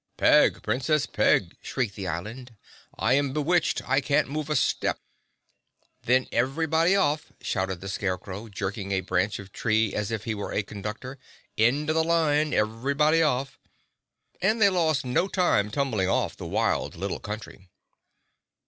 "Peg, Princess Peg!" shrieked the Island. "I am bewitched, I can't move a step!" "Then everybody off," shouted the Scarecrow, jerking a branch of a tree as if he were a conductor. "End of the line—everybody off!" And they lost no time tumbling off the wild little Country.